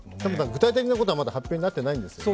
具体的なことはまだ発表になっていないんですよね。